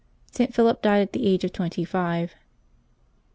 St. Philip died at the age of twenty five.